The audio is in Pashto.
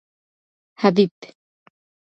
حبیب